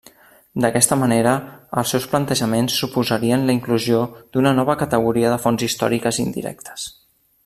D'aquesta manera, els seus plantejaments suposarien la inclusió d'una nova categoria de fonts històriques indirectes.